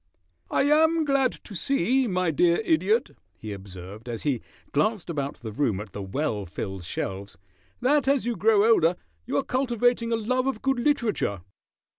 "I am glad to see, my dear Idiot," he observed, as he glanced about the room at the well filled shelves, "that as you grow older you are cultivating a love of good literature."